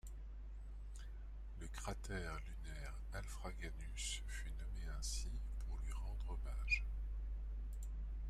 Le cratère lunaire Alfraganus fut nommé ainsi pour lui rendre hommage.